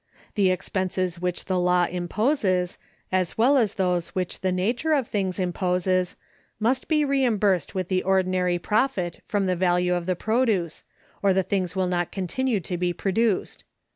The expenses which the law imposes, as well as those which the nature of things imposes, must be reimbursed with the ordinary profit from the value of the produce, or the things will not continue to be produced.